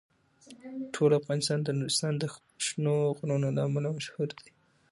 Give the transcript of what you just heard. ټول افغانستان د نورستان د شنو غرونو له امله مشهور دی.